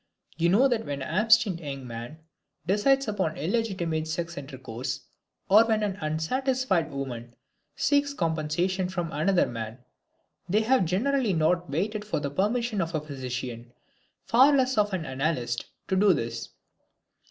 You know that when an abstinent young man decides upon illegitimate sex intercourse, or when an unsatisfied woman seeks compensation from another man, they have generally not waited for the permission of a physician, far less of an analyst, to do this.